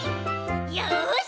よし！